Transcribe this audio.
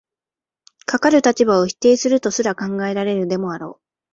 かかる立場を否定するとすら考えられるでもあろう。